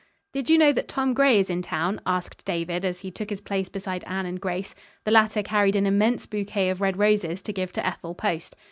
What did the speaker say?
"Did you know that Tom Gray is in town?" asked David, as he took his place beside Anne and Grace. The latter carried an immense bouquet of red roses to give to Ethel Post.